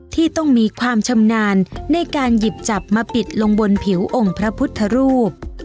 ที่ต้องมีความชำนาญในการหยิบจับมาปิดลงบนผิวองค์พระพุทธรูป